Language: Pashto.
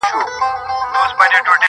ته پیسې کټه خو دا فکرونه مکړه-